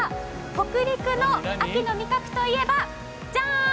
北陸の秋の味覚といえばじゃーん！